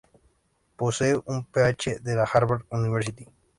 Posee un Ph.D., de la Harvard University.